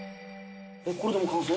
これでもう完成？